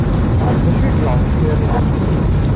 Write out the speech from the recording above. D acu ay yuɣen tifyar-inu?